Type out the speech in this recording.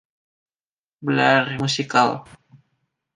Blair Musical.